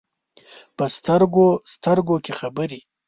په سترګو، سترګو کې خبرې ،